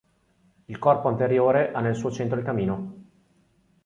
Il corpo anteriore ha nel suo centro il camino.